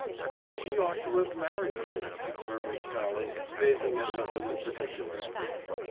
"She ought to have married him," murmured Sallie, gazing at nothing in particular.